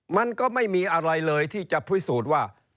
มันก็ไม่มีอะไรเลยที่จะพิสูจน์ว่า